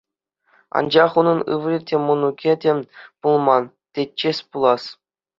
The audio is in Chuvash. Анчах унӑн ывӑлӗ те мӑнукӗ те пулман, тетчӗҫ пулас.